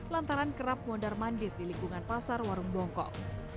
lantaran kerap mondar mandir di lingkungan pasar warung bongkok